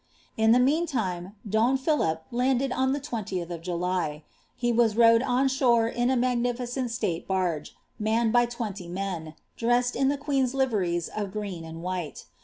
In the meantime, don Philip landed on the 20th of Jnly. He «m rowed on shore in a magnificent state barge, manned by twenty Mcai dressed in the queen's liveries of green and white.